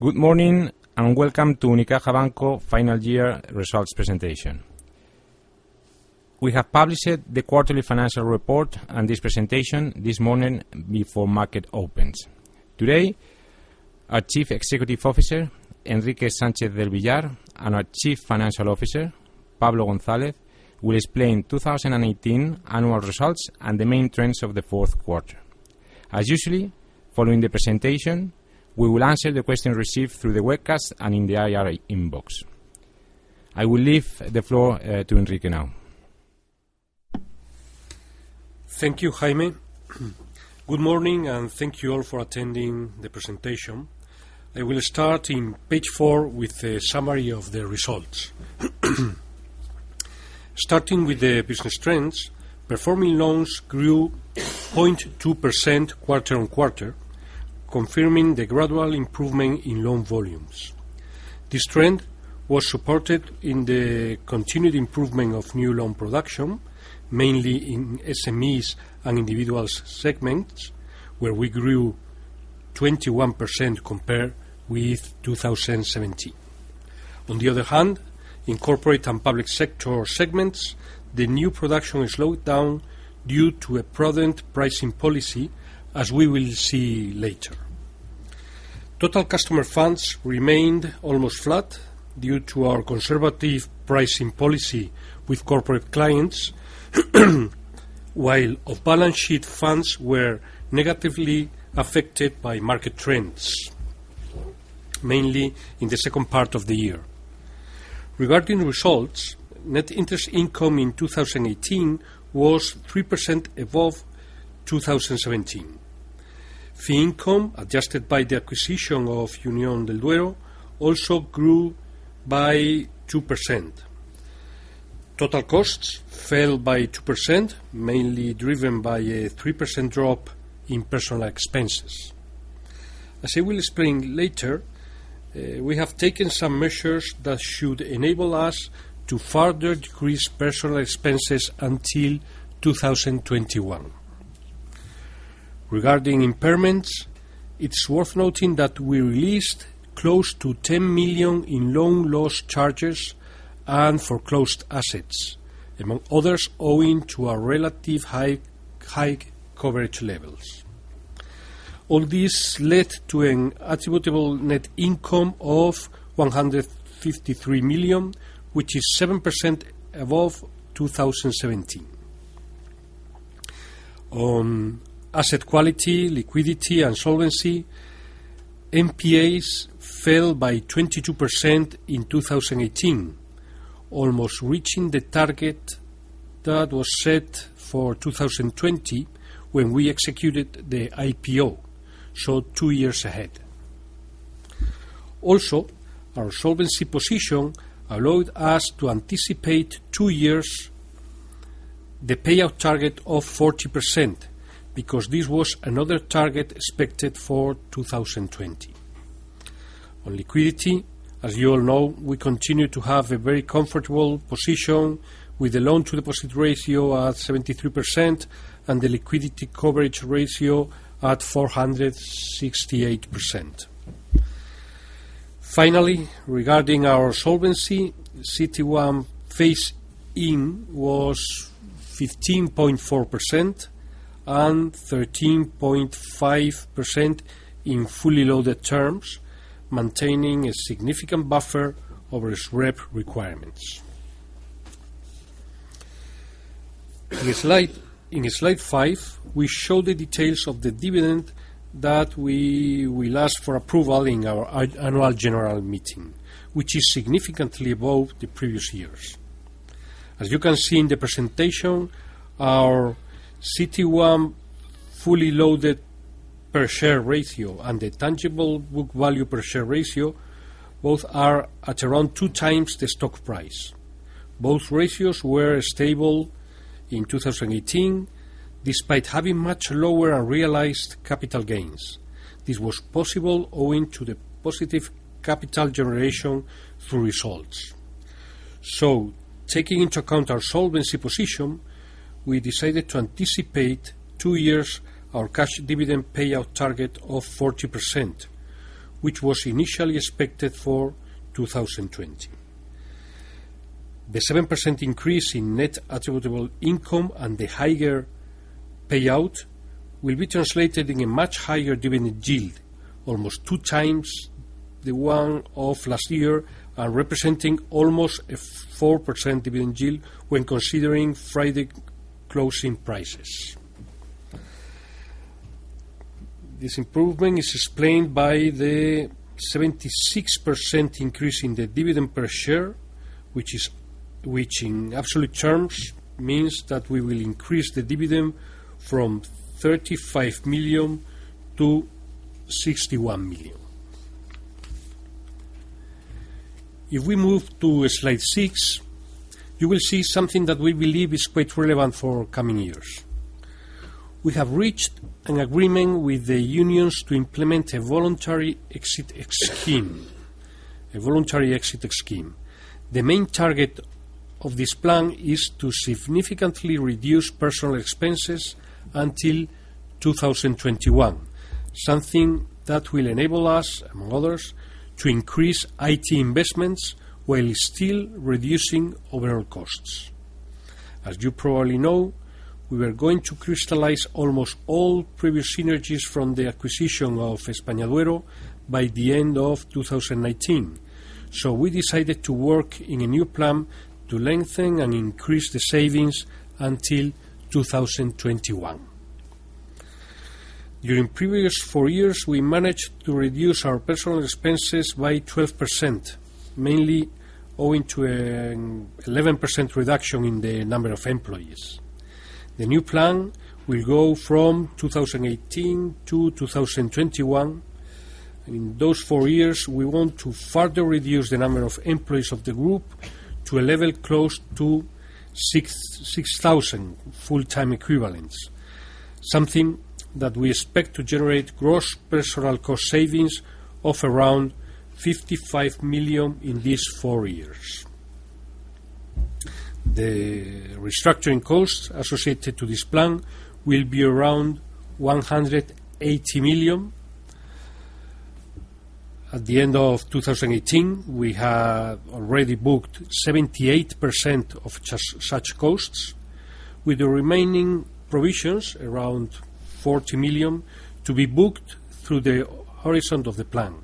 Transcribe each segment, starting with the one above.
Good morning, and welcome to Unicaja Banco's final year results presentation. We have published the quarterly financial report and this presentation this morning before market opens. Today, our Chief Executive Officer, Enrique Sánchez del Villar, and our Chief Financial Officer, Pablo González, will explain 2018 annual results and the main trends of the fourth quarter. As usually, following the presentation, we will answer the question received through the webcast and in the IR inbox. I will leave the floor to Jaime now. Thank you, Jaime. Good morning, and thank you all for attending the presentation. I will start in page four with a summary of the results. Starting with the business trends, performing loans grew 0.2% quarter-on-quarter, confirming the gradual improvement in loan volumes. This trend was supported in the continued improvement of new loan production, mainly in SMEs and individuals segments, where we grew 21% compared with 2017. On the other hand, in corporate and public sector segments, the new production will slow down due to a prudent pricing policy, as we will see later. Total customer funds remained almost flat due to our conservative pricing policy with corporate clients. While off-balance-sheet funds were negatively affected by market trends, mainly in the second part of the year. Regarding results, net interest income in 2018 was 3% above 2017. Fee income, adjusted by the acquisition of Unión del Duero, also grew by 2%. Total costs fell by 2%, mainly driven by a 3% drop in personal expenses. As I will explain later, we have taken some measures that should enable us to further decrease personal expenses until 2021. Regarding impairments, it's worth noting that we released close to 10 million in loan loss charges and foreclosed assets, among others, owing to our relative high coverage levels. All this led to an attributable net income of 153 million, which is 7% above 2017. On asset quality, liquidity, and solvency, NPAs fell by 22% in 2018, almost reaching the target that was set for 2020 when we executed the IPO, so two years ahead. Also, our solvency position allowed us to anticipate two years the payout target of 40%, because this was another target expected for 2020. On liquidity, as you all know, we continue to have a very comfortable position with the loan to deposit ratio at 73% and the liquidity coverage ratio at 468%. Finally, regarding our solvency, CET1 phase-in was 15.4% and 13.5% in fully loaded terms, maintaining a significant buffer over SREP requirements. In slide five, we show the details of the dividend that we will ask for approval in our Annual General Meeting, which is significantly above the previous years. As you can see in the presentation, our CET1 fully loaded per share ratio and the tangible book value per share ratio, both are at around 2x the stock price. Both ratios were stable in 2018, despite having much lower unrealized capital gains. This was possible owing to the positive capital generation through results. Taking into account our solvency position, we decided to anticipate two years our cash dividend payout target of 40%, which was initially expected for 2020. The 7% increase in net attributable income and the higher payout will be translated in a much higher dividend yield, almost 2x the one of last year, and representing almost a 4% dividend yield when considering Friday closing prices. This improvement is explained by the 76% increase in the dividend per share, which in absolute terms means that we will increase the dividend from 35 million to 61 million. If we move to slide six, you will see something that we believe is quite relevant for coming years. We have reached an agreement with the unions to implement a voluntary exit scheme. The main target of this plan is to significantly reduce personal expenses until 2021, something that will enable us, among others, to increase IT investments while still reducing overall costs. As you probably know, we were going to crystallize almost all previous synergies from the acquisition of EspañaDuero by the end of 2019. We decided to work on a new plan to lengthen and increase the savings until 2021. During the previous four years, we managed to reduce our personal expenses by 12%, mainly owing to an 11% reduction in the number of employees. The new plan will go from 2018-2021. In those four years, we want to further reduce the number of employees of the group to a level close to 6,000 full-time equivalents, something that we expect to generate gross personal cost savings of around 55 million in these four years. The restructuring costs associated with this plan will be around 180 million. At the end of 2018, we had already booked 78% of such costs, with the remaining provisions, around 40 million, to be booked through the horizon of the plan.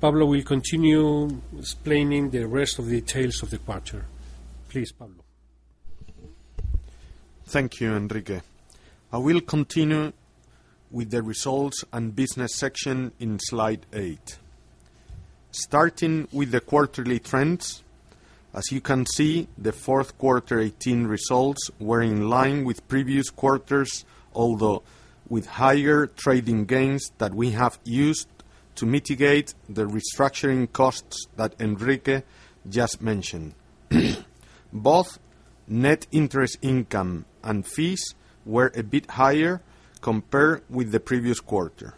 Pablo will continue explaining the rest of the details of the quarter. Please, Pablo. Thank you, Enrique. I will continue with the results and business section on slide eight. Starting with the quarterly trends, as you can see, the fourth quarter 2018 results were in line with previous quarters, although with higher trading gains that we have used to mitigate the restructuring costs that Enrique just mentioned. Both net interest income and fees were a bit higher compared with the previous quarter.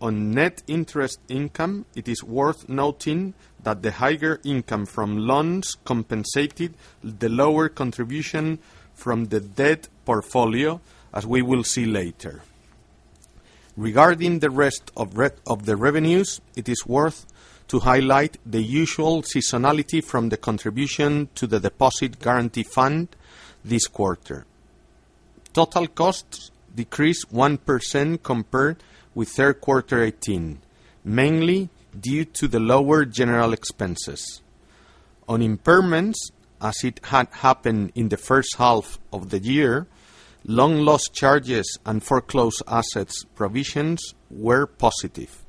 On net interest income, it is worth noting that the higher income from loans compensated the lower contribution from the debt portfolio, as we will see later. Regarding the rest of the revenues, it is worth highlighting the usual seasonality from the contribution to the deposit guarantee fund this quarter. Total costs decreased 1% compared with the third quarter of 2018, mainly due to the lower general expenses. On impairments, as it had happened in the first half of the year, loan loss charges and foreclosed assets provisions were positive.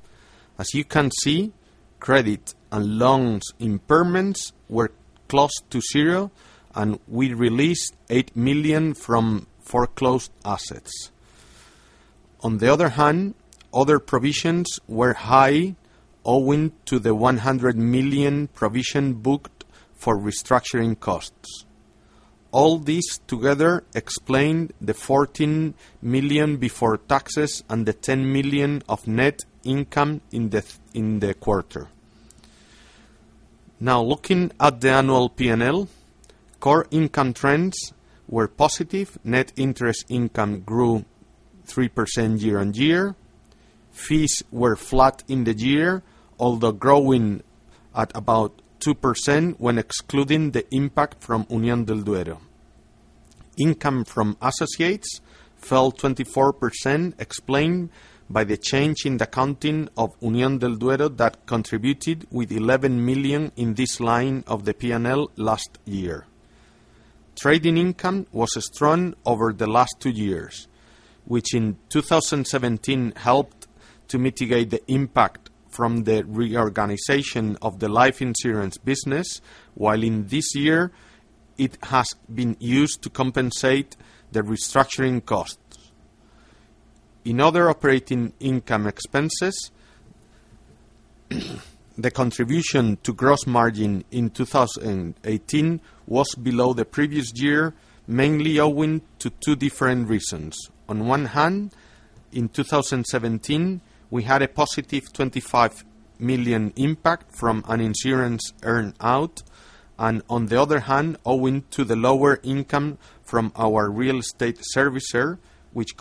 As you can see, credit and loans impairments were close to zero, and we released 8 million from foreclosed assets. On the other hand, other provisions were high owing to the 100 million provision booked for restructuring costs. All this together explained the 14 million before taxes and the 10 million of net income in the quarter. Looking at the annual P&L, core income trends were positive. Net interest income grew 3% year-on-year. Fees were flat in the year, although growing at about 2% when excluding the impact from Unión del Duero. Income from associates fell 24%, explained by the change in the accounting of Unión del Duero that contributed with 11 million in this line of the P&L last year. Trading income was strong over the last two years, which in 2017 helped to mitigate the impact from the reorganization of the life insurance business, while in this year it has been used to compensate the restructuring costs. In other operating income expenses, the contribution to gross margin in 2018 was below the previous year, mainly owing to two different reasons. On one hand, in 2017, we had a +25 million impact from an insurance earn-out. On the other hand, owing to the lower income from our real estate servicer, which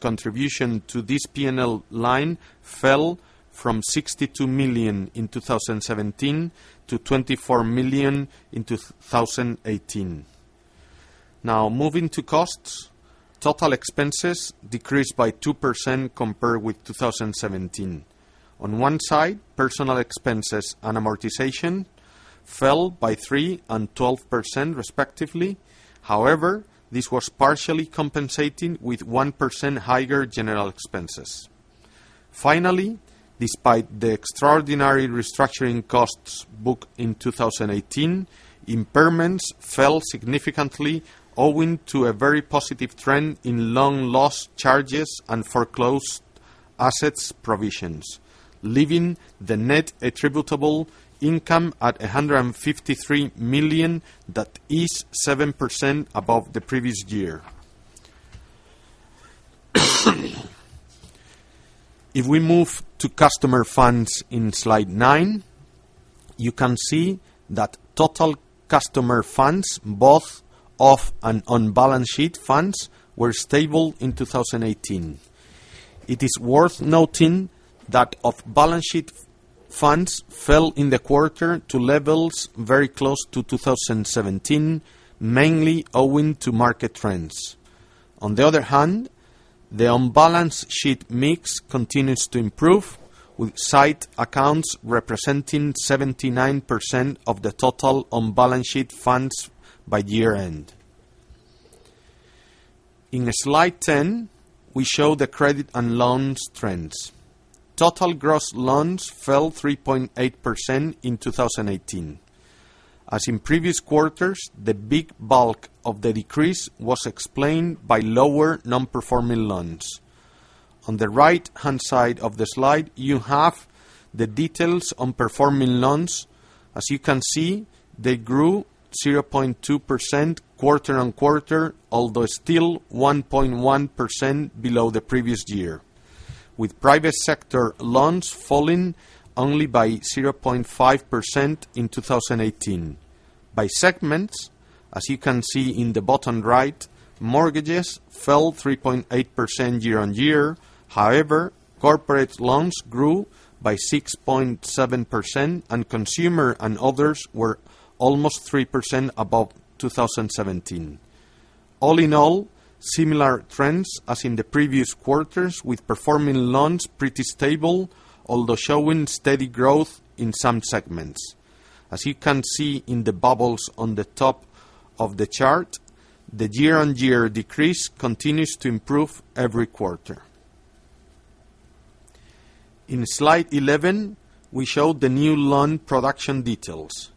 contribution to this P&L line fell from 62 million in 2017 to 24 million in 2018. Moving to costs, total expenses decreased by 2% compared with 2017. On one side, personal expenses and amortization fell by 3% and 12%, respectively. This was partially compensated with 1% higher general expenses. Finally, despite the extraordinary restructuring costs booked in 2018, impairments fell significantly owing to a very positive trend in loan loss charges and foreclosed assets provisions, leaving the net attributable income at 153 million. That is 7% above the previous year. If we move to customer funds in slide nine, you can see that total customer funds, both off and on-balance sheet funds, were stable in 2018. It is worth noting that off-balance sheet funds fell in the quarter to levels very close to 2017, mainly owing to market trends. On the other hand, the on-balance sheet mix continues to improve, with site accounts representing 79% of the total on-balance sheet funds by year-end. In slide 10, we show the credit and loans trends. Total gross loans fell 3.8% in 2018. As in previous quarters, the big bulk of the decrease was explained by lower non-performing loans. On the right-hand side of the slide, you have the details on performing loans. As you can see, they grew 0.2% quarter-on-quarter, although still 1.1% below the previous year, with private sector loans falling only by 0.5% in 2018. By segments, as you can see in the bottom right, mortgages fell 3.8% year-on-year. However, corporate loans grew by 6.7%, and consumer and others were almost 3% above 2017. All in all, similar trends as in the previous quarters, with performing loans pretty stable, although showing steady growth in some segments. As you can see in the bubbles on the top of the chart, the year-on-year decrease continues to improve every quarter. In slide 11, we show the new loan production details.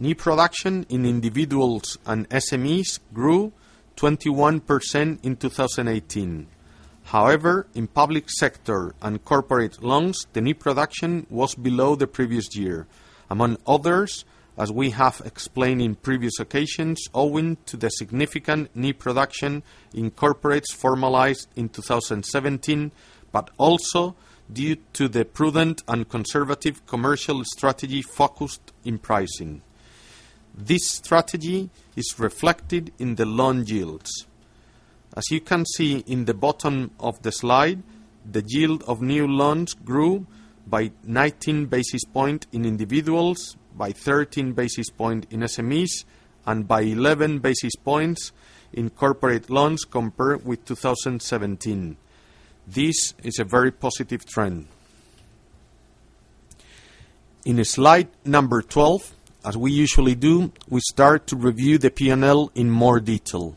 New production in individuals and SMEs grew 21% in 2018. However, in public sector and corporate loans, the new production was below the previous year, among others, as we have explained in previous occasions, owing to the significant new production in corporates formalized in 2017, but also due to the prudent and conservative commercial strategy focused in pricing. This strategy is reflected in the loan yields. As you can see in the bottom of the slide, the yield of new loans grew by 19 basis points in individuals, by 13 basis points in SMEs, and by 11 basis points in corporate loans compared with 2017. This is a very positive trend. In slide number 12, as we usually do, we start to review the P&L in more detail.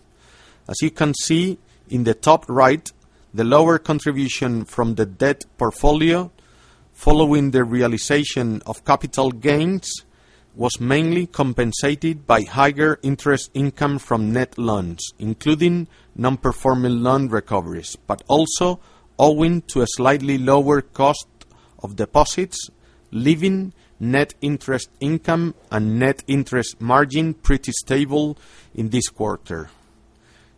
As you can see in the top right, the lower contribution from the debt portfolio following the realization of capital gains was mainly compensated by higher interest income from net loans, including non-performing loan recoveries, but also owing to a slightly lower cost of deposits, leaving net interest income and net interest margin pretty stable in this quarter.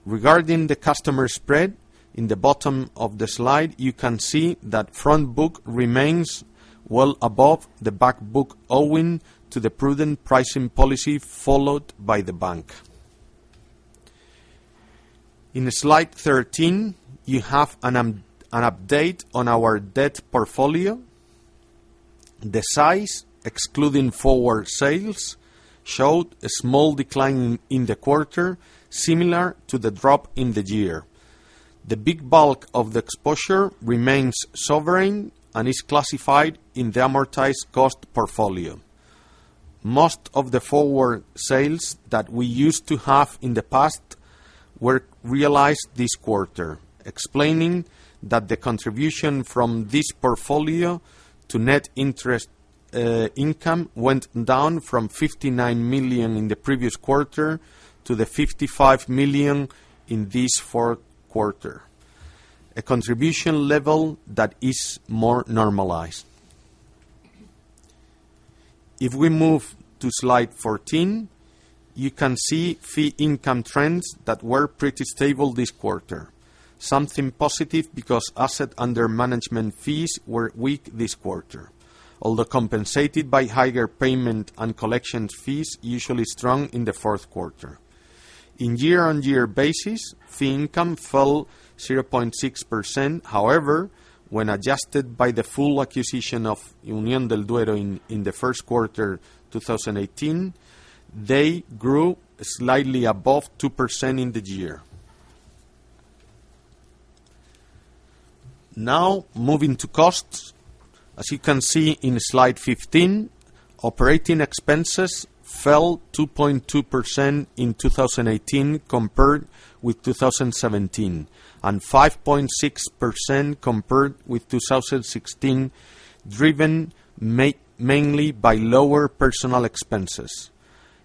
Regarding the customer spread, in the bottom of the slide, you can see that front book remains well above the back book owing to the prudent pricing policy followed by the bank. In slide 13, you have an update on our debt portfolio. The size, excluding forward sales, showed a small decline in the quarter, similar to the drop in the year. The big bulk of the exposure remains sovereign and is classified in the amortized cost portfolio. Most of the forward sales that we used to have in the past were realized this quarter, explaining that the contribution from this portfolio to net interest income went down from 59 million in the previous quarter to 55 million in this fourth quarter, a contribution level that is more normalized. If we move to slide 14, you can see fee income trends that were pretty stable this quarter, something positive because asset under management fees were weak this quarter. Although compensated by higher payment and collections fees, usually strong in the fourth quarter. In year-over-year basis, fee income fell 0.6%. However, when adjusted by the full acquisition of Unión del Duero in the first quarter 2018, they grew slightly above 2% in the year. Now, moving to costs. As you can see in slide 15, operating expenses fell 2.2% in 2018 compared with 2017, and 5.6% compared with 2016, driven mainly by lower personal expenses,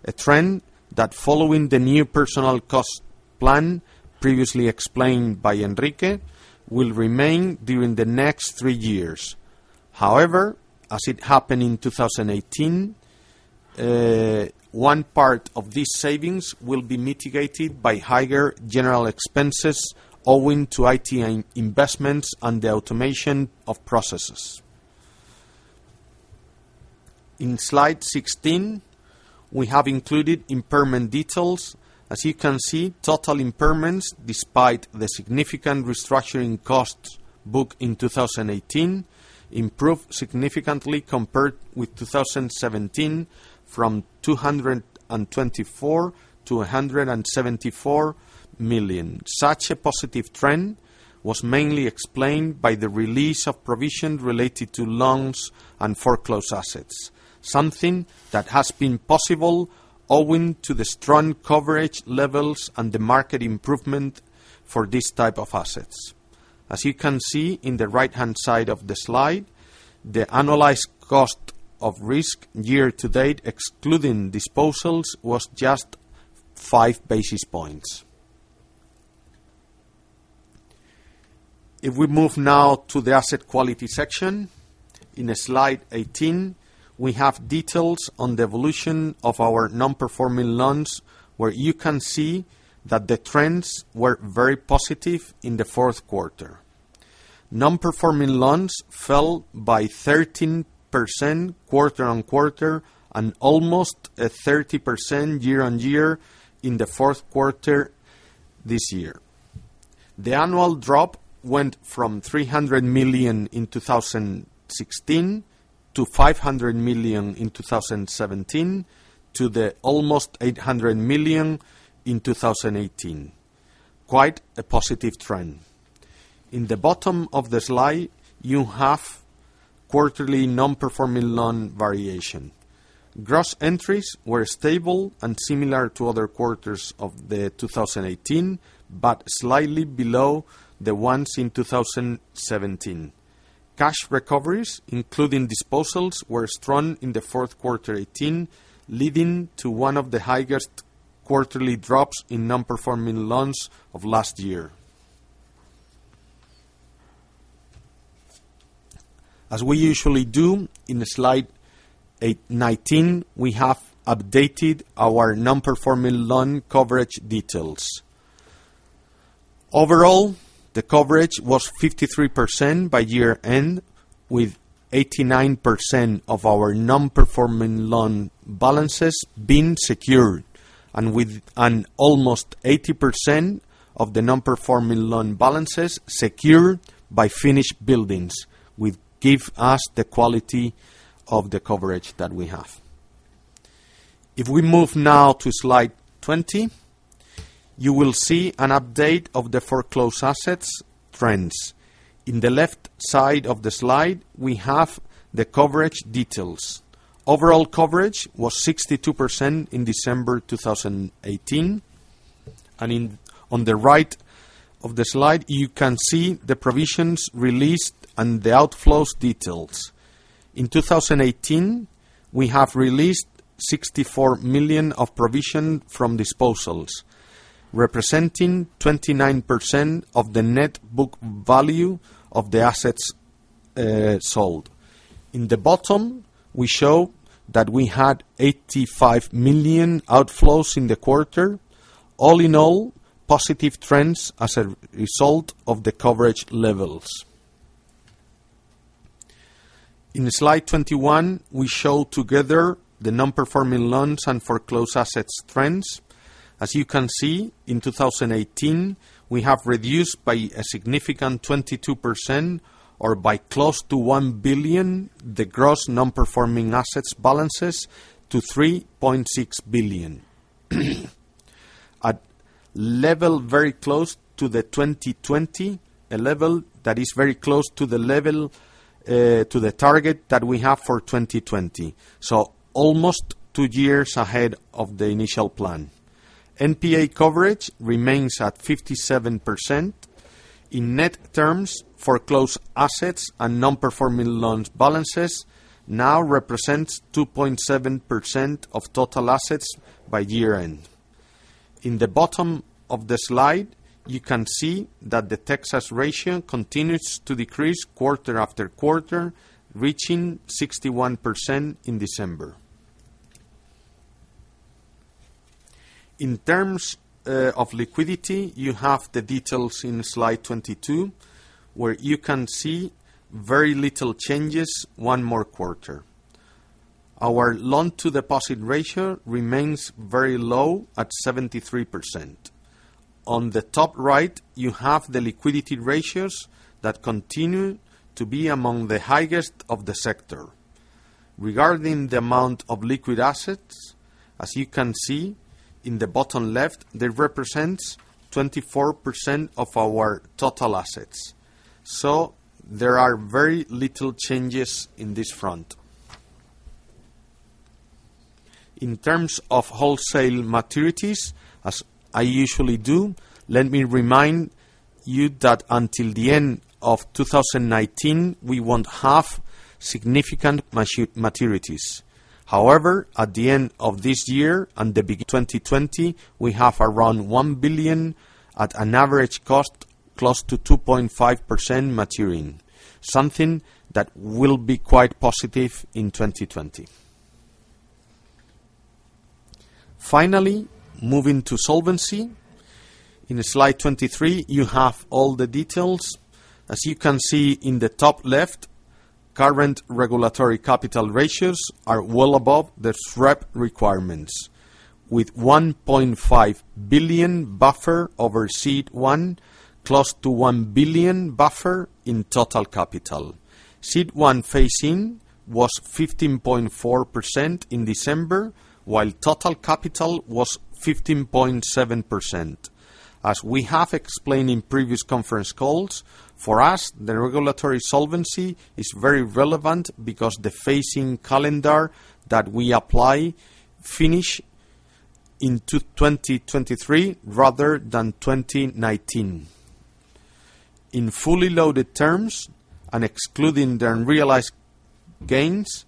a trend that, following the new personal cost plan previously explained by Enrique, will remain during the next three years. However, as it happened in 2018, one part of these savings will be mitigated by higher general expenses owing to IT investments and the automation of processes. In slide 16, we have included impairment details. As you can see, total impairments, despite the significant restructuring costs booked in 2018, improved significantly compared with 2017, from 224 million to 174 million. Such a positive trend was mainly explained by the release of provisions related to loans and foreclosed assets, something that has been possible owing to the strong coverage levels and the market improvement for these types of assets. As you can see in the right-hand side of the slide, the annualized cost of risk year-to-date, excluding disposals, was just 5 basis points. If we move now to the asset quality section, in slide 18, we have details on the evolution of our non-performing loans, where you can see that the trends were very positive in the fourth quarter. Non-performing loans fell by 13% quarter-on-quarter and almost 30% year-on-year in the fourth quarter this year. The annual drop went from 300 million in 2016 to 500 million in 2017 to the almost 800 million in 2018. Quite a positive trend. In the bottom of the slide, you have quarterly non-performing loan variation. Gross entries were stable and similar to other quarters of 2018, but slightly below the ones in 2017. Cash recoveries, including disposals, were strong in the fourth quarter 2018, leading to one of the highest quarterly drops in non-performing loans of last year. As we usually do, in slide 19, we have updated our non-performing loan coverage details. Overall, the coverage was 53% by year-end, with 89% of our non-performing loan balances being secured, and almost 80% of the non-performing loan balances secured by finished buildings, will give us the quality of the coverage that we have. If we move now to slide 20, you will see an update of the foreclosed assets trends. In the left side of the slide, we have the coverage details. Overall coverage was 62% in December 2018. On the right of the slide, you can see the provisions released and the outflows details. In 2018, we have released 64 million of provision from disposals, representing 29% of the net book value of the assets sold. In the bottom, we show that we had 85 million outflows in the quarter. All in all, positive trends as a result of the coverage levels. In slide 21, we show together the non-performing loans and foreclosed assets trends. As you can see, in 2018, we have reduced by a significant 22%, or by close to 1 billion, the gross non-performing assets balances to 3.6 billion. A level very close to 2020, a level that is very close to the target that we have for 2020. Almost two years ahead of the initial plan. NPA coverage remains at 57%. In net terms, foreclosed assets and non-performing loans balances now represents 2.7% of total assets by year-end. In the bottom of the slide, you can see that the Texas ratio continues to decrease quarter-after-quarter, reaching 61% in December. In terms of liquidity, you have the details in slide 22, where you can see very little changes one more quarter. Our loan to deposit ratio remains very low at 73%. On the top right, you have the liquidity ratios that continue to be among the highest of the sector. Regarding the amount of liquid assets, as you can see in the bottom left, they represents 24.2% of our total assets. There are very little changes in this front. In terms of wholesale maturities, as I usually do, let me remind you that until the end of 2019, we won't have significant maturities. At the end of this year and the beginning of 2020, we have around 1 billion at an average cost of close to 2.5% maturing, something that will be quite positive in 2020. Moving to solvency. In slide 23, you have all the details. As you can see in the top left, current regulatory capital ratios are well above the SREP requirements, with 1.5 billion buffer over CET1, close to 1 billion buffer in total capital. CET1 phase-in was 15.4% in December, while total capital was 15.7%. As we have explained in previous conference calls, for us, the regulatory solvency is very relevant because the phase-in calendar that we apply finishes into 2023 rather than 2019. In fully loaded terms and excluding the unrealized gains,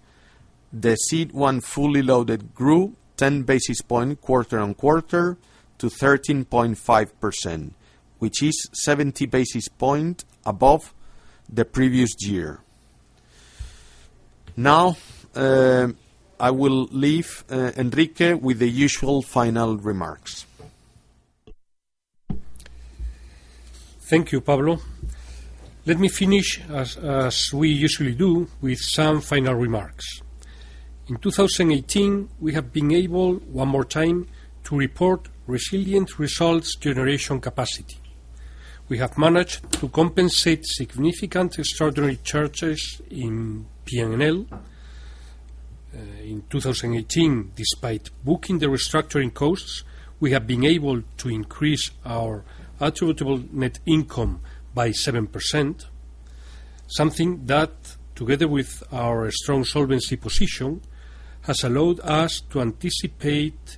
the CET1 fully loaded grew 10 basis points quarter-on-quarter to 13.5%, which is 70 basis points above the previous year. I will leave Enrique with the usual final remarks. Thank you, Pablo. Let me finish, as we usually do, with some final remarks. In 2018, we have been able, one more time, to report resilient results generation capacity. We have managed to compensate significant extraordinary charges in P&L. In 2018, despite booking the restructuring costs, we have been able to increase our attributable net income by 7%, something that, together with our strong solvency position, has allowed us to anticipate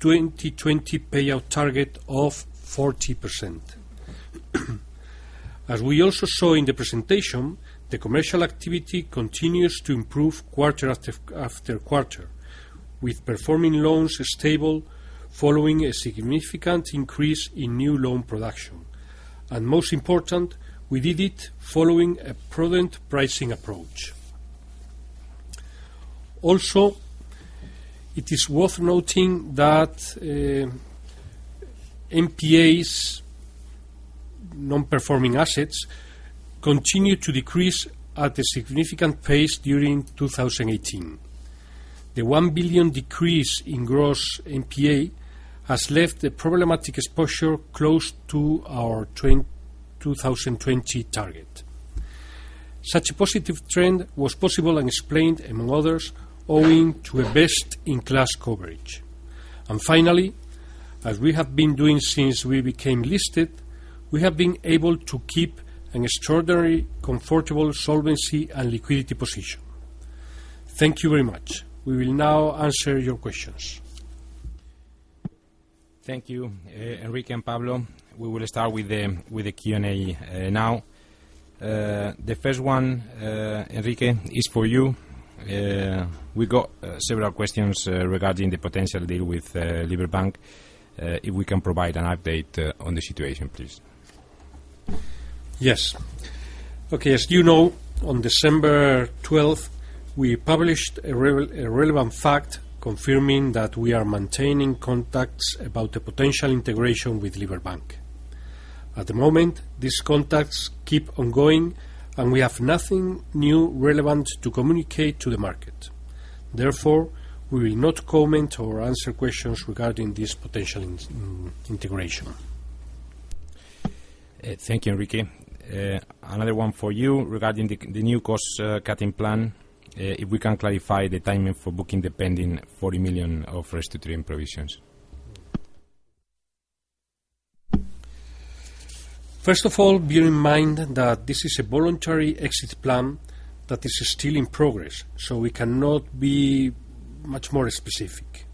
2020 payout target of 40%. As we also saw in the presentation, the commercial activity continues to improve quarter-after-quarter, with performing loans stable following a significant increase in new loan production. Most important, we did it following a prudent pricing approach. It is worth noting that NPAs, non-performing assets, continued to decrease at a significant pace during 2018. The 1 billion decrease in gross NPA has left the problematic exposure close to our 2020 target. Such a positive trend was possible and explained, among others, owing to a best-in-class coverage. Finally, as we have been doing since we became listed, we have been able to keep an extraordinary comfortable solvency and liquidity position. Thank you very much. We will now answer your questions. Thank you, Enrique and Pablo. We will start with the Q&A now. The first one, Enrique, is for you. We got several questions regarding the potential deal with Liberbank. If we can provide an update on the situation, please? Yes. Okay. As you know, on December 12th, we published a relevant fact confirming that we are maintaining contacts about the potential integration with Liberbank. At the moment, these contacts keep ongoing. We have nothing new relevant to communicate to the market. Therefore, we will not comment or answer questions regarding this potential integration. Thank you, Enrique. Another one for you regarding the new cost-cutting plan. If we can clarify the timing for booking the pending 40 million of restructuring provisions? First of all, bear in mind that this is a voluntary exit plan that is still in progress. We cannot be much more specific.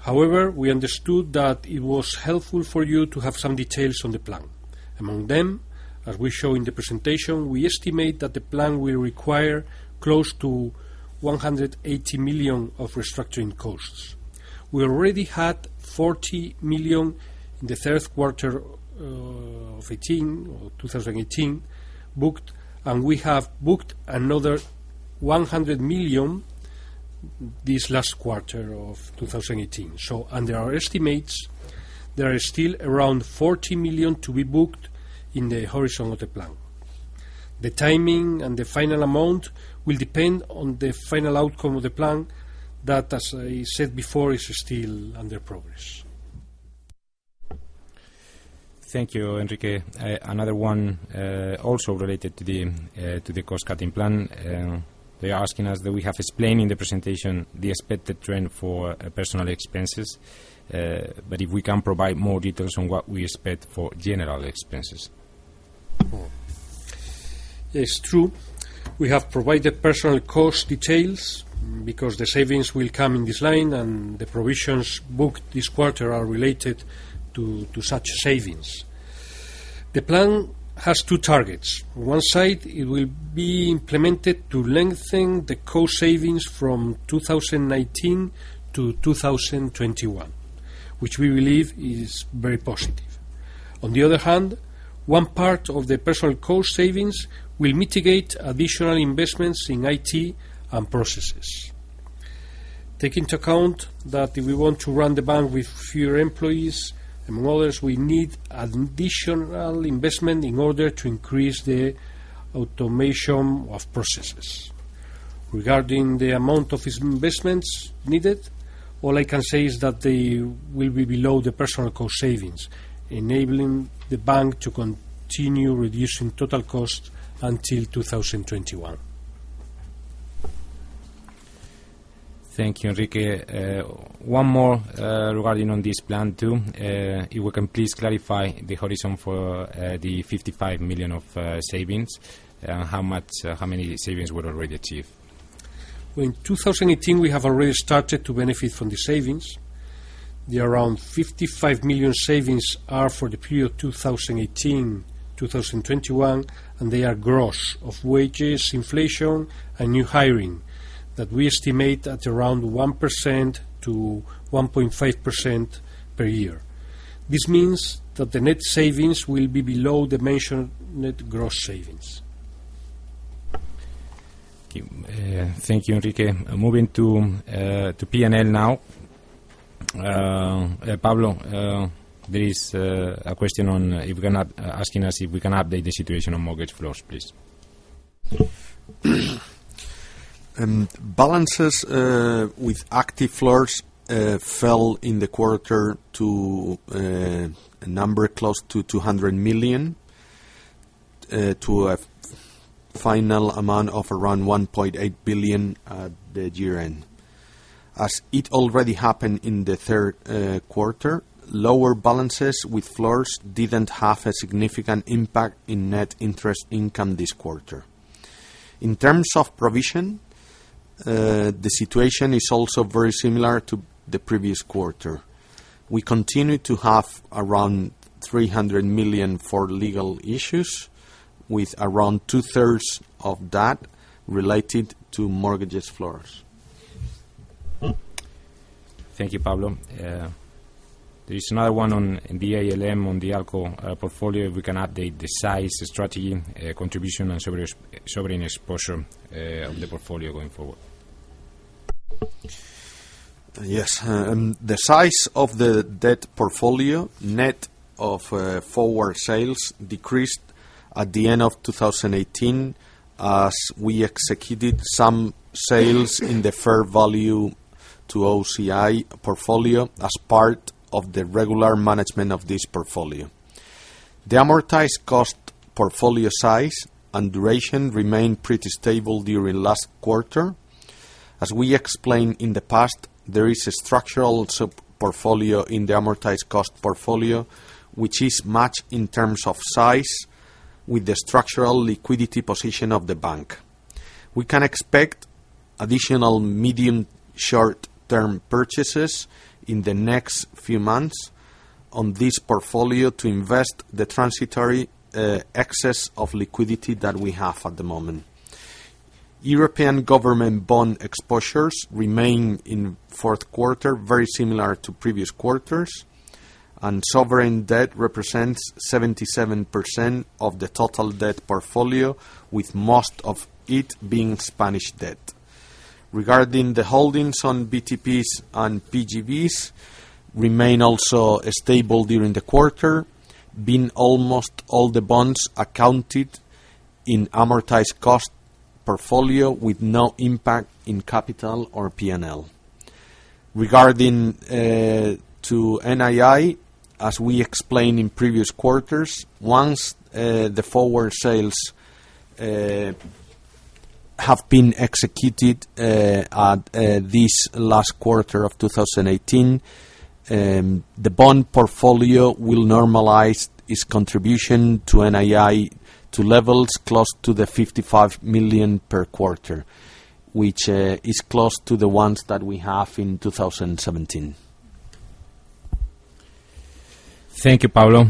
However, we understood that it was helpful for you to have some details on the plan. Among them, as we show in the presentation, we estimate that the plan will require close to 180 million of restructuring costs. We already had 40 million in the third quarter of 2018, or 2018, booked. We have booked another 100 million this last quarter of 2018. Under our estimates, there are still around 40 million to be booked in the horizon of the plan. The timing and the final amount will depend on the final outcome of the plan that, as I said before, is still under progress. Thank you, Enrique. Another one, also related to the cost-cutting plan. They're asking us that we have explained in the presentation the expected trend for personal expenses, if we can provide more details on what we expect for general expenses? It's true. We have provided personal cost details because the savings will come in this line, and the provisions booked this quarter are related to such savings. The plan has two targets. One side, it will be implemented to lengthen the cost savings from 2019-2021, which we believe is very positive. On the other hand, one part of the personal cost savings will mitigate additional investments in IT and processes. Take into account that if we want to run the bank with fewer employees, among others, we need additional investment in order to increase the automation of processes. Regarding the amount of these investments needed, all I can say is that they will be below the personal cost savings, enabling the bank to continue reducing total cost until 2021. Thank you, Enrique. One more regarding on this plan, too. If we can please clarify the horizon for the 55 million of savings, how much savings were already achieved? In 2018, we have already started to benefit from the savings. The around 55 million savings are for the period 2018-2021, and they are gross of wages, inflation, and new hiring that we estimate at around 1%-1.5% per year. This means that the net savings will be below the mentioned net gross savings. Thank you, Enrique. Moving to P&L now. Pablo, there is a question asking us if we can update the situation on mortgage floors? Please. Balances with active floors fell in the quarter to a number close to 200 million, to a final amount of around 1.8 billion at the year-end. As it already happened in the third quarter, lower balances with floors didn't have a significant impact in net interest income this quarter. In terms of provision, the situation is also very similar to the previous quarter. We continue to have around 300 million for legal issues, with around 200 million of that related to mortgage floors. Thank you, Pablo. There is another one on the ALM, on the ALCO portfolio, where we can update the size, strategy, contribution, and sovereign exposure of the portfolio going forward? Yes. The size of the debt portfolio, net of forward sales, decreased at the end of 2018 as we executed some sales in the fair value to OCI portfolio as part of the regular management of this portfolio. The amortized cost portfolio size and duration remained pretty stable during last quarter. As we explained in the past, there is a structural sub-portfolio in the amortized cost portfolio, which is matched in terms of size with the structural liquidity position of the bank. We can expect additional medium short-term purchases in the next few months on this portfolio to invest the transitory excess of liquidity that we have at the moment. European government bond exposures remained in fourth quarter, very similar to previous quarters. Sovereign debt represents 77% of the total debt portfolio, with most of it being Spanish debt. Regarding the holdings on BTPs and PGBs, remain also stable during the quarter, being almost all the bonds accounted in amortized cost portfolio with no impact in capital or P&L. Regarding NII, as we explained in previous quarters, once the forward sales have been executed at this last quarter of 2018, the bond portfolio will normalize its contribution to NII to levels close to 55 million per quarter, which is close to the ones that we have in 2017. Thank you, Pablo.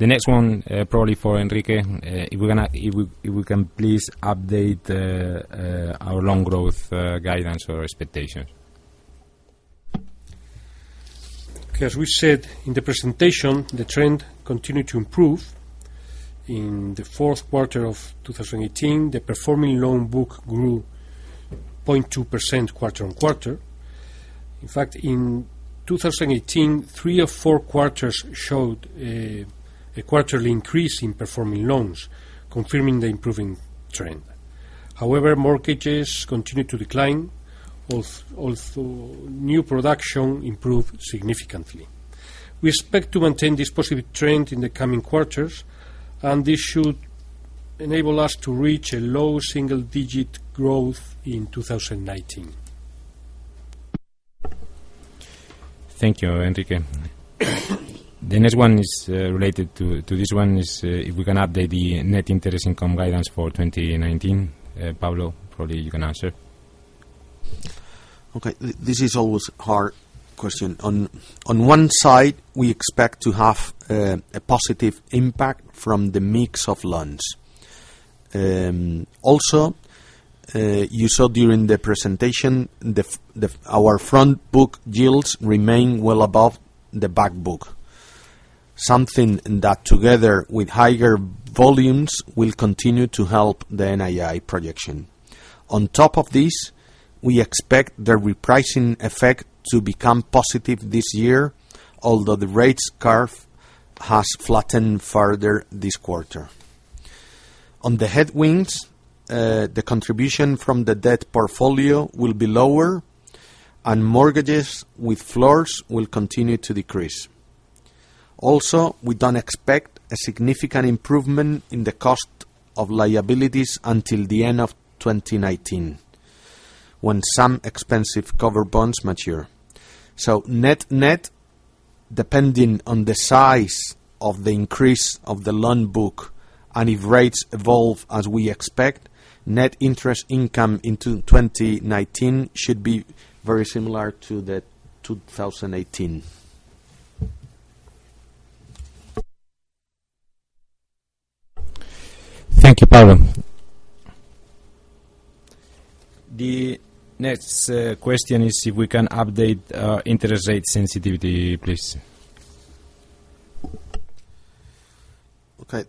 The next one, probably for Enrique, if we can please update our loan growth guidance or expectations? As we said in the presentation, the trend continued to improve. In the fourth quarter of 2018, the performing loan book grew 0.2% quarter-on-quarter. In fact, in 2018, three of four quarters showed a quarterly increase in performing loans, confirming the improving trend. However, mortgages continued to decline, although new production improved significantly. We expect to maintain this positive trend in the coming quarters, this should enable us to reach a low single-digit growth in 2019. Thank you, Enrique. The next one is related to this one, is if we can update the net interest income guidance for 2019? Pablo, probably you can answer. Okay. This is always a hard question. On one side, we expect to have a positive impact from the mix of loans. Also, you saw during the presentation, our front book yields remain well above the back book, something that, together with higher volumes, will continue to help the NII projection. On top of this, we expect the repricing effect to become positive this year, although the rates curve has flattened further this quarter. On the headwinds, the contribution from the debt portfolio will be lower, and mortgages with floors will continue to decrease. Also, we don't expect a significant improvement in the cost of liabilities until the end of 2019, when some expensive covered bonds mature. Net net, depending on the size of the increase of the loan book, and if rates evolve as we expect, net interest income into 2019 should be very similar to the 2018. Thank you, Pablo. The next question is if we can update interest rate sensitivity, please? Okay.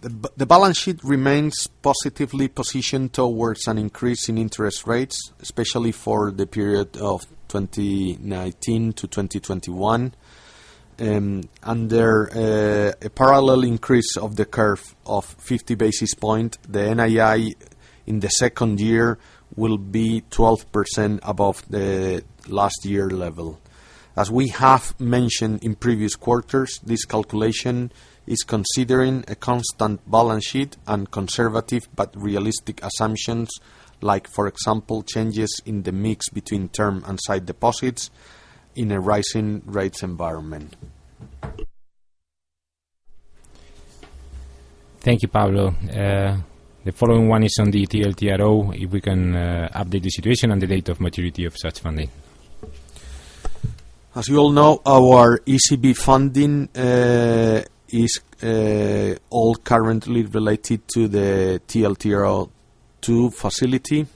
The balance sheet remains positively positioned towards an increase in interest rates, especially for the period of 2019-2021. Under a parallel increase of the curve of 50 basis points, the NII in the second year will be 12% above the last year level. As we have mentioned in previous quarters, this calculation is considering a constant balance sheet and conservative, but realistic assumptions, like for example, changes in the mix between term and side deposits in a rising rates environment. Thank you, Pablo. The following one is on the TLTRO, if we can update the situation and the date of maturity of such funding? As you all know, our ECB funding is all currently related to the TLTRO II facility.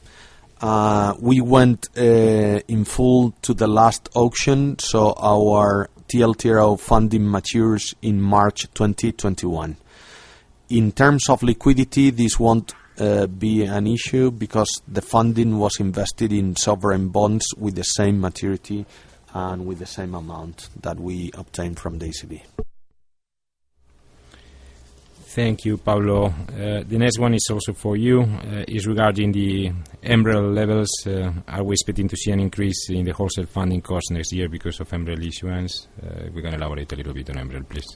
We went in full to the last auction. Our TLTRO funding matures in March 2021. In terms of liquidity, this won't be an issue because the funding was invested in sovereign bonds with the same maturity and with the same amount that we obtained from the ECB. Thank you, Pablo. The next one is also for you. It's regarding the MREL levels. Are we expecting to see an increase in the wholesale funding cost next year because of MREL issuance? If we can elaborate a little bit on MREL, please.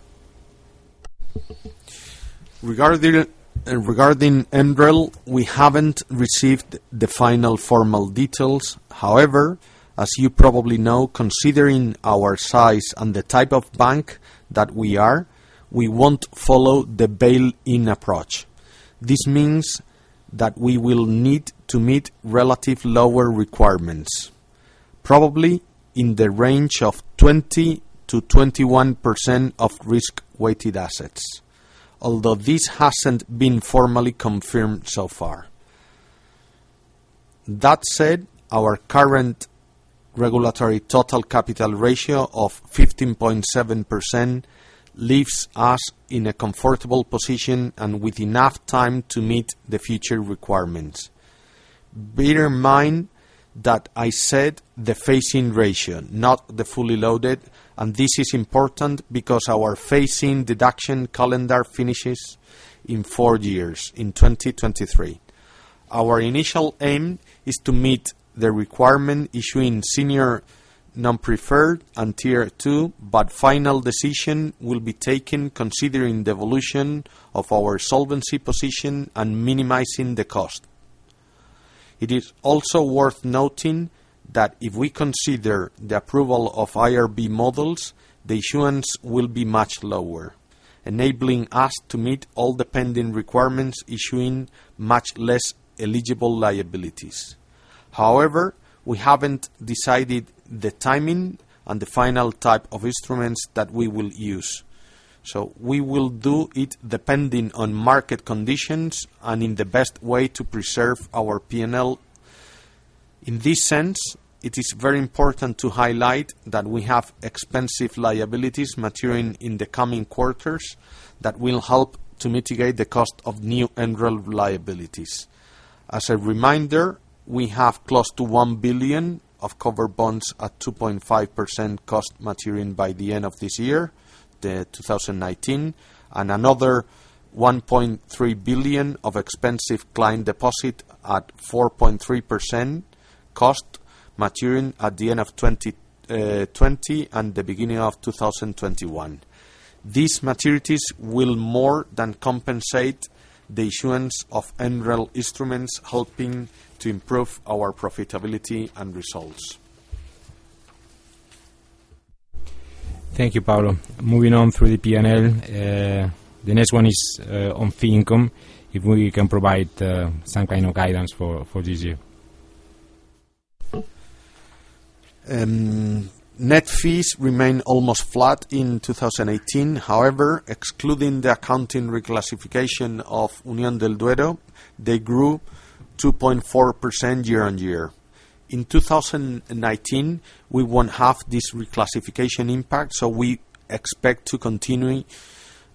Regarding MREL, we haven't received the final formal details. However, as you probably know, considering our size and the type of bank that we are, we won't follow the bail-in approach. This means that we will need to meet relative lower requirements, probably in the range of 20%-21% of risk-weighted assets. This hasn't been formally confirmed so far. Our current regulatory total capital ratio of 15.7% leaves us in a comfortable position and with enough time to meet the future requirements. Bear in mind that I said the phase-in ratio, not the fully loaded, and this is important because our phase-in deduction calendar finishes in four years, in 2023. Our initial aim is to meet the requirement issuing senior non-preferred and Tier 2. Final decision will be taken considering the evolution of our solvency position and minimizing the cost. It is also worth noting that if we consider the approval of IRB models, the issuance will be much lower, enabling us to meet all the pending requirements, issuing much less eligible liabilities. However, we haven't decided the timing and the final type of instruments that we will use. We will do it depending on market conditions and in the best way to preserve our P&L. In this sense, it is very important to highlight that we have expensive liabilities maturing in the coming quarters that will help to mitigate the cost of new MREL liabilities. As a reminder, we have close to 1 billion of covered bonds at 2.5% cost maturing by the end of this year, 2019, and another 1.3 billion of expensive client deposits at 4.3% cost maturing at the end of 2020 and the beginning of 2021. These maturities will more than compensate the issuance of MREL instruments, helping to improve our profitability and results. Thank you, Pablo. Moving on through the P&L. The next one is on fee income, if we can provide some kind of guidance for this year? Net fees remain almost flat in 2018. However, excluding the accounting reclassification of Unión del Duero, they grew 2.4% year-on-year. In 2019, we won't have this reclassification impact, so we expect to continue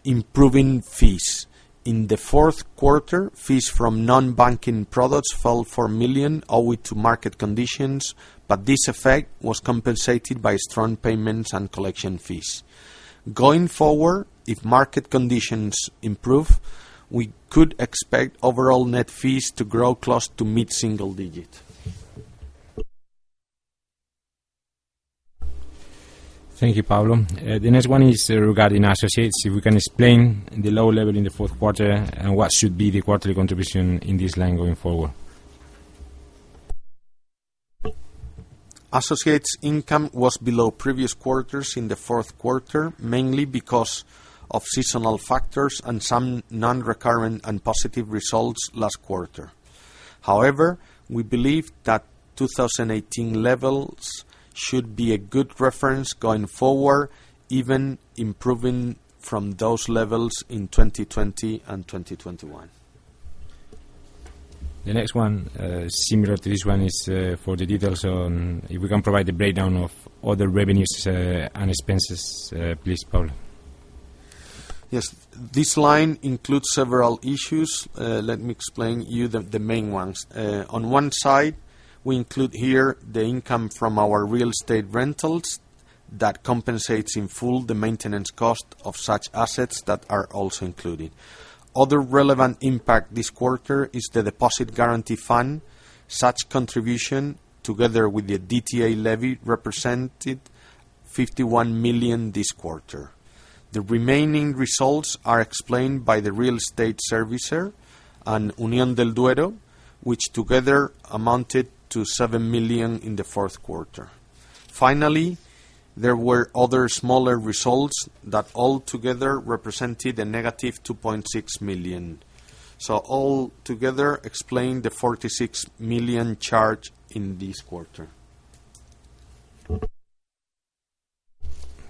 improving fees. In the fourth quarter, fees from non-banking products fell 4 million owing to market conditions, but this effect was compensated by strong payments and collection fees. Going forward, if market conditions improve, we could expect overall net fees to grow close to mid-single digit. Thank you, Pablo. The next one is regarding associates. If we can explain the low level in the fourth quarter, and what should be the quarterly contribution in this line going forward? Associates' income was below previous quarters in the fourth quarter, mainly because of seasonal factors and some non-recurrent and positive results last quarter. However, we believe that 2018 levels should be a good reference going forward, even improving from those levels in 2020 and 2021. The next one, similar to this one, is for the details on, if we can provide the breakdown of other revenues and expenses? Please, Pablo. Yes. This line includes several issues. Let me explain you the main ones. On one side, we include here the income from our real estate rentals that compensates in full the maintenance cost of such assets that are also included. Other relevant impact this quarter is the deposit guarantee fund. Such contribution, together with the DTA levy, represented 51 million this quarter. The remaining results are explained by the real estate servicer and Unión del Duero, which together amounted to 7 million in the fourth quarter. Finally, there were other smaller results that altogether represented a -2.6 million. Altogether explain the 46 million charge in this quarter.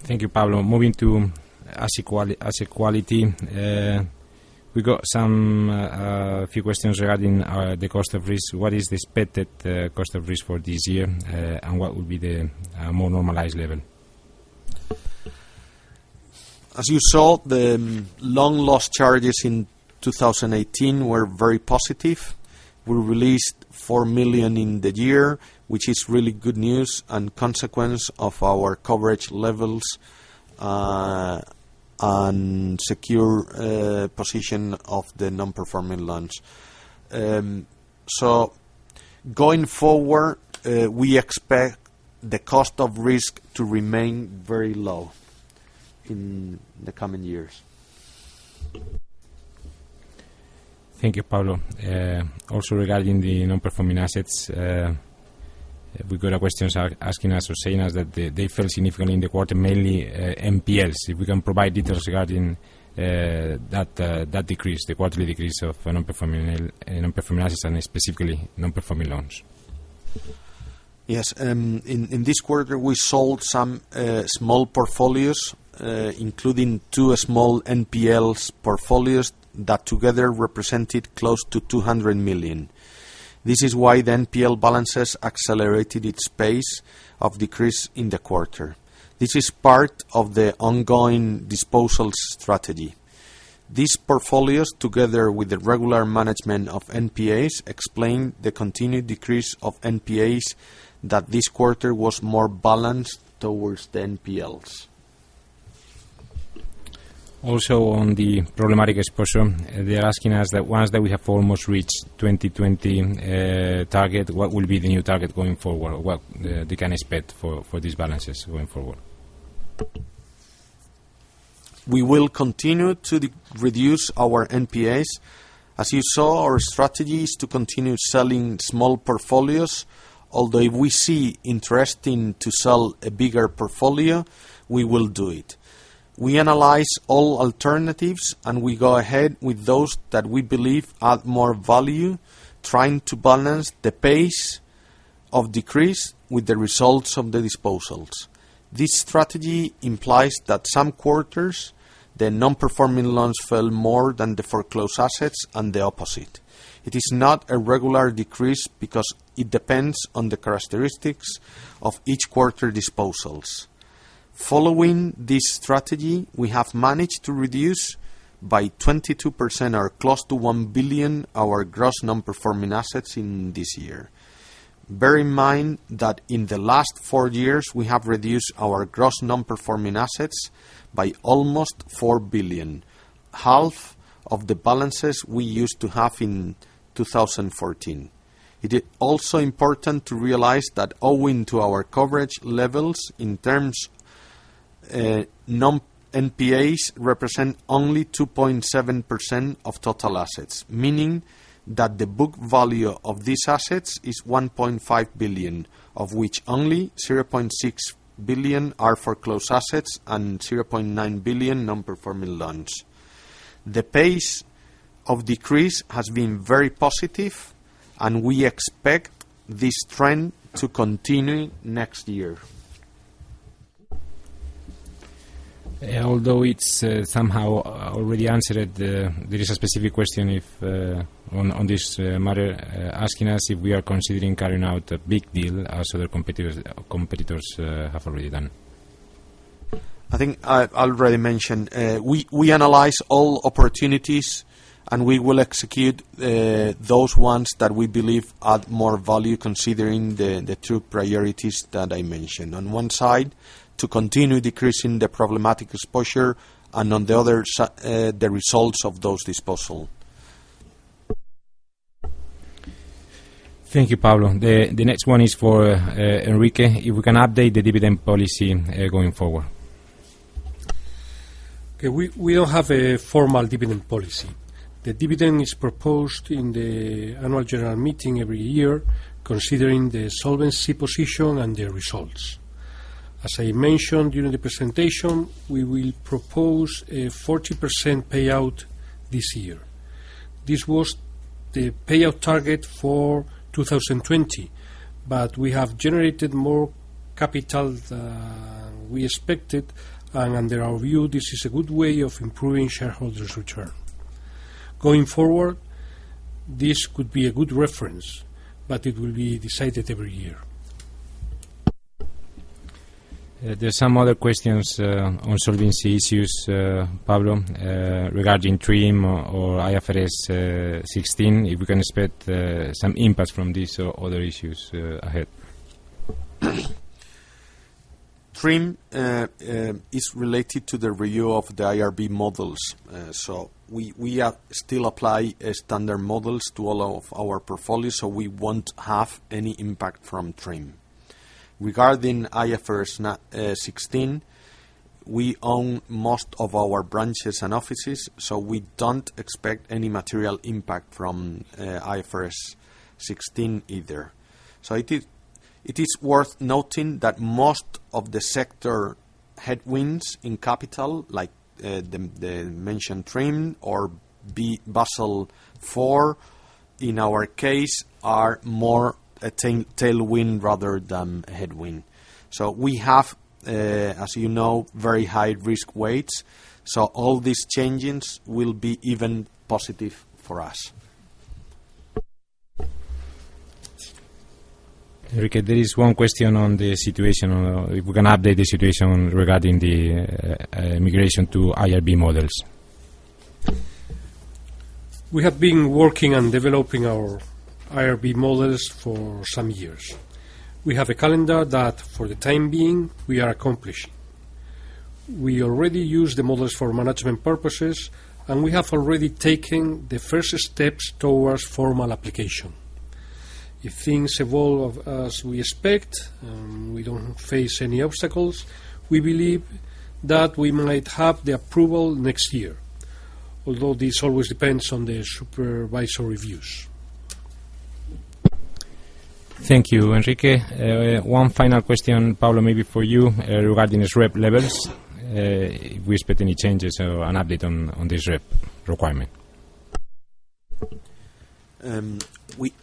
Thank you, Pablo. Moving to asset quality. We got a few questions regarding the cost of risk. What is the expected cost of risk for this year, and what will be the more normalized level? As you saw, the loan loss charges in 2018 were very positive. We released 4 million in the year, which is really good news and consequence of our coverage levels, and secure position of the non-performing loans. Going forward, we expect the cost of risk to remain very low in the coming years. Thank you, Pablo. Also, regarding the non-performing assets, we got questions asking us or saying us that they fell significantly in the quarter, mainly NPLs. If we can provide details regarding that decrease, the quarterly decrease of non-performing assets, and specifically non-performing loans? Yes. In this quarter, we sold some small portfolios, including two small NPLs portfolios that together represented close to 200 million. This is why the NPL balances accelerated its pace of decrease in the quarter. This is part of the ongoing disposals strategy. These portfolios, together with the regular management of NPAs, explain the continued decrease of NPAs that this quarter was more balanced towards the NPLs. Also, on the problematic exposure, they're asking us that, once that we have almost reached 2020 target, what will be the new target going forward? What they can expect for these balances going forward? We will continue to reduce our NPAs. As you saw, our strategy is to continue selling small portfolios. Although if we see interesting to sell a bigger portfolio, we will do it. We analyze all alternatives, and we go ahead with those that we believe add more value, trying to balance the pace of decrease with the results of the disposals. This strategy implies that some quarters, the non-performing loans fell more than the foreclosed assets, and the opposite. It is not a regular decrease because it depends on the characteristics of each quarter's disposals. Following this strategy, we have managed to reduce by 22%, or close to 1 billion, our gross non-performing assets in this year. Bear in mind that in the last four years, we have reduced our gross non-performing assets by almost 4 billion. 50% of the balances we used to have in 2014. It is also important to realize that owing to our coverage levels in terms, NPAs represent only 2.7% of total assets, meaning that the book value of these assets is 1.5 billion, of which only 0.6 billion are foreclosed assets and 0.9 billion non-performing loans. The pace of decrease has been very positive, and we expect this trend to continue next year. Although it's somehow already answered, there is a specific question on this matter, asking us if we are considering carrying out a big deal, as other competitors have already done. I think I already mentioned. We analyze all opportunities, and we will execute those ones that we believe add more value, considering the two priorities that I mentioned. On one side, to continue decreasing the problematic exposure, and on the other, the results of those disposals. Thank you, Pablo. The next one is for Enrique. If we can update the dividend policy going forward? Okay. We don't have a formal dividend policy. The dividend is proposed in the Annual General Meeting every year, considering the solvency position and the results. As I mentioned during the presentation, we will propose a 40% payout this year. This was the payout target for 2020, but we have generated more capital than we expected, and under our view, this is a good way of improving shareholders' return. Going forward, this could be a good reference, but it will be decided every year. There's some other questions on solvency issues, Pablo, regarding TRIM or IFRS 16, if we can expect some impact from these or other issues ahead? TRIM is related to the review of the IRB models. We still apply standard models to all of our portfolios, so we won't have any impact from TRIM. Regarding IFRS 16, we own most of our branches and offices, so we don't expect any material impact from IFRS 16 either. It is worth noting that most of the sector headwinds in capital, like the mentioned TRIM or Basel IV, in our case, are more of a tailwind rather than a headwind. We have, as you know, very high risk weights, so all these changes will be even positive for us. Enrique, there is one question on the situation, if we can update the situation regarding the migration to IRB models? We have been working on developing our IRB models for some years. We have a calendar that, for the time being, we are accomplishing. We already use the models for management purposes, and we have already taken the first steps towards formal application. If things evolve as we expect, we don't face any obstacles, we believe that we might have the approval next year, although this always depends on the supervisory reviews. Thank you, Enrique. One final question, Pablo, maybe for you, regarding SREP levels. We expect any changes or an update on the SREP requirement?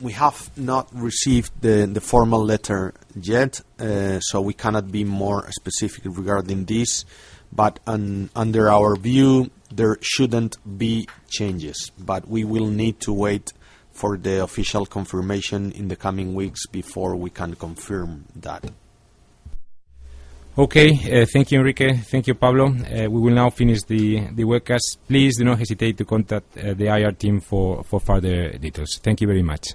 We have not received the formal letter yet, so we cannot be more specific regarding this. Under our view, there shouldn't be changes. We will need to wait for the official confirmation in the coming weeks before we can confirm that. Okay. Thank you, Enrique. Thank you, Pablo. We will now finish the webcast. Please do not hesitate to contact the IR team for further details. Thank you very much.